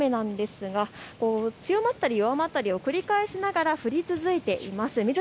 そして雨なんですが強まったり弱まったりを繰り返しながら降り続いています。